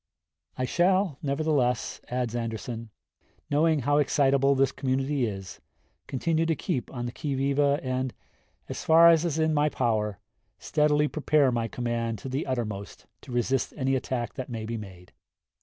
"I shall, nevertheless," adds Anderson, "knowing how excitable this community is, continue to keep on the qui vive and, as far as is in my power, steadily prepare my command to the uttermost to resist any attack that may be made....